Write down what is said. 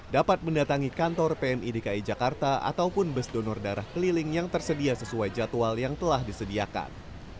dapat mendatangi kantor pmi dki jakarta ataupun bus donor darah keliling yang tersedia sesuai jadwal yang telah disediakan